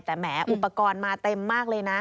แต่แหมอุปกรณ์มาเต็มมากเลยนะ